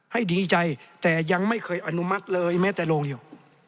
ให้ดีใจแต่ยังไม่เคยอนุมัติเลยแม้แต่โรงเดียว